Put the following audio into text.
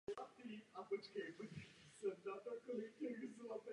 Popis kosmické lodi Vostok v samostatném článku...